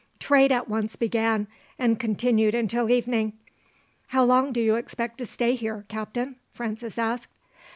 Trade at once began, and continued until evening. "How long do you expect to stay here, captain?" Francis asked.